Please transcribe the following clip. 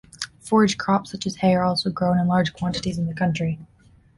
Forage crops such as hay are also grown in large quantities in the county.